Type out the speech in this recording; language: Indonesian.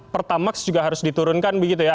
pertamax juga harus diturunkan begitu ya